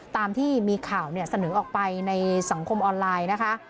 ตามที่มีข่าวเสนอออกไปในสังคมออนไลน์นะคะ